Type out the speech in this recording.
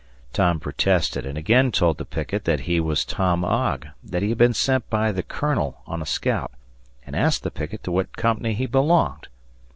Tom protested and again told the picket that he was Tom Ogg, that he had been sent by "the Colonel" on a scout, and asked the picket to what company he belonged.